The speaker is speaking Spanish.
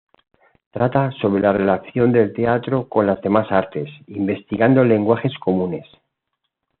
Trata sobre la relación del teatro con las demás artes, investigando lenguajes comunes.